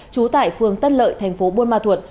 trú tại phường tân lợi thành phố buôn ma thuột